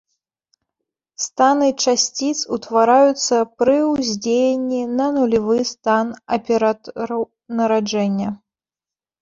Станы часціц утвараюцца пры ўздзеянні на нулявы стан аператараў нараджэння.